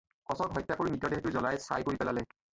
কচক হত্যা কৰি মৃতদেহটো জ্বলাই ছাই কৰি পেলালে।